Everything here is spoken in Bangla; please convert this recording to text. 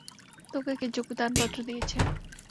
তোকে কে যোগদানপত্র দিয়েছে?